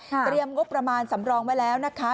งบประมาณสำรองไว้แล้วนะคะ